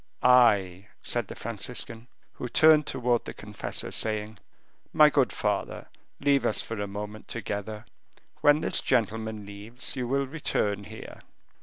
"I," said the Franciscan, who turned towards the confessor, saying, "My good father, leave us for a moment together; when this gentleman leaves, you will return here."